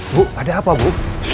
bu ada apa bu